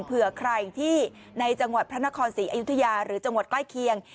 เผื่อใครที่ในจังหวัดพระนครศรีอยุธยาหรือจังหวัดใกล้เคียง